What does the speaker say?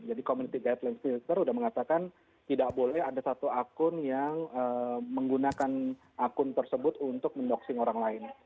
jadi community guidelines twitter sudah mengatakan tidak boleh ada satu akun yang menggunakan akun tersebut untuk mendoxing orang lain